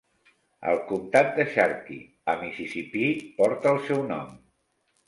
El Comtat de Sharkey a Mississipí porta el seu nom.